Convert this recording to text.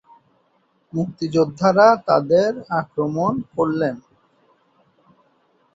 মুক্তিযোদ্ধারা তাদের আক্রমণ করলেন।